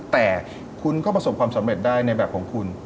แต่คุณก็ประสบความสำเร็จได้ในแบบของคุณ